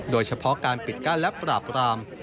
โดยเฉพาะการปิดกั้นและปราบราม